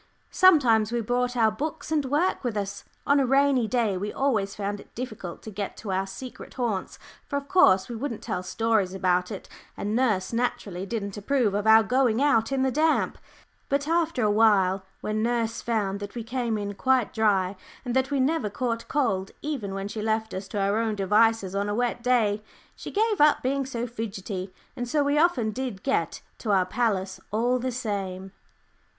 Sometimes we brought our books and work with us; on a rainy day we always found it difficult to get to our secret haunts, for of course we wouldn't tell stories about it, and nurse naturally didn't approve of our going out in the damp. But after a while, when nurse found that we came in quite dry, and that we never caught cold even when she left us to our own devices on a wet day, she gave up being so fidgety, and so we often did get to our palace all the same.